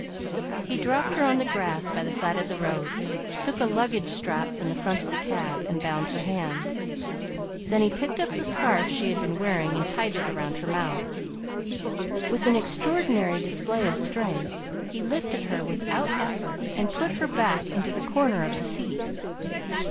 He dropped her on the grass by the side of the road, took a luggage strap from the front of the cab, and bound her hands. Then he picked up the scarf she had been wearing and tied it around her mouth. With an extraordinary display of strength he lifted her without effort and put her back into the corner of the seat.